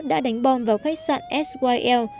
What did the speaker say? đã đánh bom vào khách sạn syl